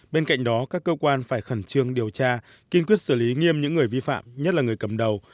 bên cạnh đó các cơ quan phải khẩn trương điều tra kiên quyết xử lý nghiêm những người vi phạm nhất là người cầm đầu